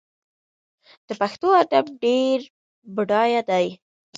د پښتو ادب ډېر بډایه دی.